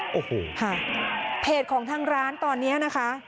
โอ้โหค่ะเพจของทางร้านตอนนี้นะคะ